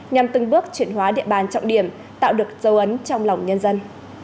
nhằm từng bước chuyển hóa địa bàn trọng điểm tạo được dấu ấn trong lòng nhân dân